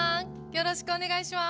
よろしくお願いします。